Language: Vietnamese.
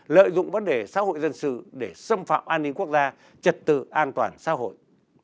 lợi dụng vấn đề xã hội dân sự để xâm phạm an ninh quốc gia trật tự an toàn xã hội